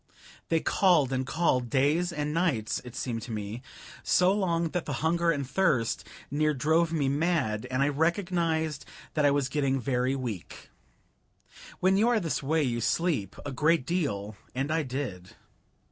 They called and called days and nights, it seemed to me. So long that the hunger and thirst near drove me mad, and I recognized that I was getting very weak. When you are this way you sleep a great deal, and I did.